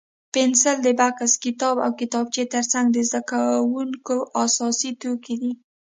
پنسل د بکس، کتاب او کتابچې تر څنګ د زده کوونکو اساسي توکي دي.